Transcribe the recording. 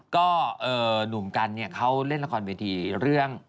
ก็หนุ่มกันเนี่ยเขาเล่นละครเวทีเรื่อง